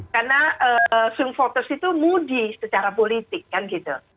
karena swing voters itu moody secara politik kan gitu